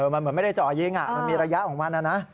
มันเหมือนไม่ได้เจาะยิงมันมีระยะของมันนะ